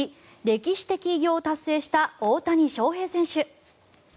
歴史的偉業を達成した大谷翔平選手。